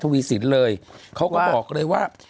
วีสินเลยเขาก็บอกเลยว่า